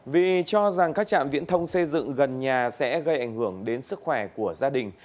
vì cho rằng các trạm viễn thông xây dựng gần nhà sẽ gây ảnh hưởng đến sức khỏe của gia đình